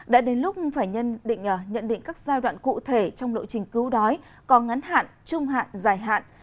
đã đến lúc phải nhận định các giai đoạn cụ thể trong lộ trình cứu đói có ngắn hạn trung hạn dài hạn